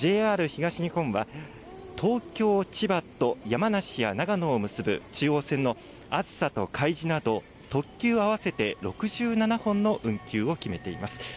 ＪＲ東日本は、東京、千葉と山梨や長野を結ぶ中央線のあずさとかいじなど、特急合わせて６７本の運休を決めています。